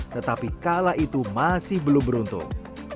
tetapi kala itu masih belum beruntung